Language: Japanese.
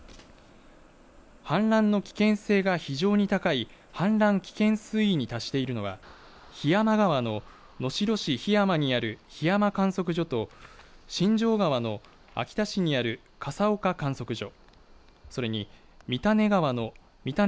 氾濫の危険性が非常に高い氾濫危険水位に達しているのは檜山川の能代市檜山にある檜山観測所と新城川の秋田市にある笠岡観測所。